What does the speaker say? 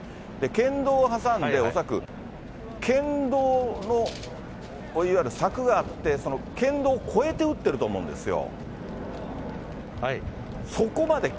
県道を挟んで、恐らく県道のいわゆる柵があって、県道をこえて撃ってると思うんですよ。